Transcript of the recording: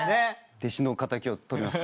弟子の敵をとります。